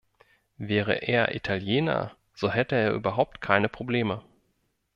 Wäre er Italiener, so hätte er überhaupt keine Probleme.